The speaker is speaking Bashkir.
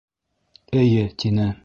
— Эйе, — тине.